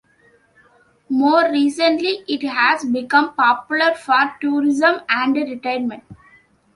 More recently it has become popular for tourism and retirement.